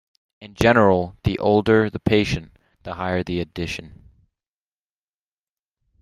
In general the older the patient, the higher the addition.